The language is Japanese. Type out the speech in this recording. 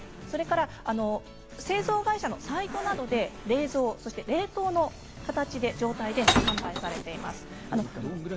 それから製造会社のサイトなどで冷蔵、冷凍の形の状態で販売されています。